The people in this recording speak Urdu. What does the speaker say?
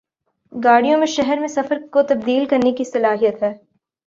گاڑیوں میں شہر میں سفر کو تبدیل کرنے کی صلاحیت ہے